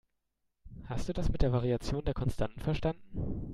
Hast du das mit der Variation der Konstanten verstanden?